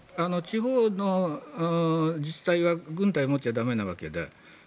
地方の自治体は軍隊を持っちゃだめなわけで。